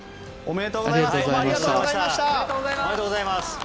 おめでとうございます。